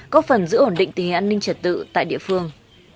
có phần giữ ổn định tình hình an ninh trật tự tại địa phương